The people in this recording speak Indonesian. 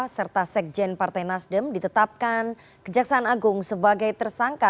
serta sekjen partai nasdem ditetapkan kejaksaan agung sebagai tersangka